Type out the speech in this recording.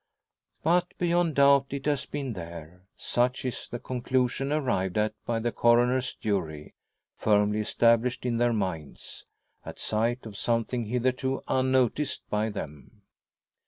But beyond doubt it has been there. Such is the conclusion arrived at by the Coroner's jury, firmly established in their minds, at sight of something hitherto unnoticed by them.